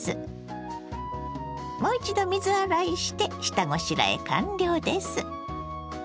もう一度水洗いして下ごしらえ完了です。